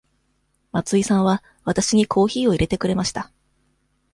松井さんはわたしにコーヒーを入れてくれました。